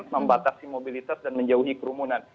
membatasi mobilitas dan menjauhi kerumunan